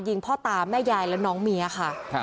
พ่อตาแม่ยายและน้องเมียค่ะ